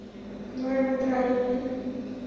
ঘরের ভেতর আগুন করে রাখি।